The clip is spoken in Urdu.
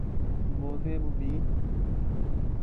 موزمبیق